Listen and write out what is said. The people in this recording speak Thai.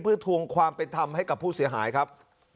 เพื่อทวงความเป็นธรรมให้กับผู้เสียหายครับ